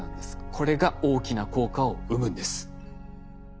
これが大きな効果を生むんです。